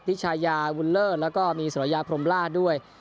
ธิชายาวุลเลิศแล้วก็มีสรอยาพรมราชด้วย